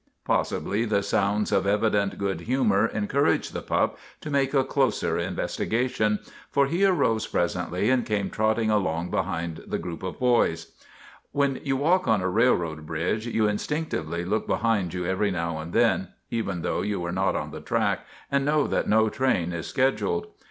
Possibly the sounds of evident good humor encouraged the pup to make a closer investi gation, for he arose presently and came trotting along behind the group of boys. When you walk on a railroad bridge you in stinctively look behind you every now and then, even though you are not on the track and know that no train is scheduled.